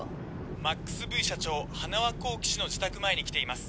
ｍａｘＶ社長塙幸喜氏の自宅前に来ています